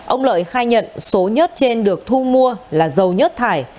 ông lợi khai nhận số nhất trên được thu mua là dầu nhất thải